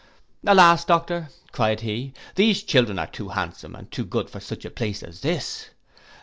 'Alas, Doctor,' cried he, 'these children are too handsome and too good for such a place as this!